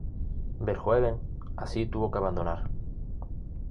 Verhoeven así tuvo que abandonar.